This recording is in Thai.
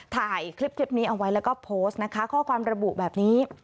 ถ่ายคลิปนี้เอาไว้แล้วก็โพสต์นะคะข้อความระบุแบบนี้